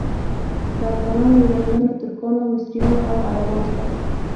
له افغانانو، ایرانیانو، ترکانو، مصریانو او عربانو سره.